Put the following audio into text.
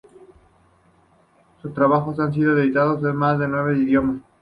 Sus trabajos han sido editados en más de nueve idiomas.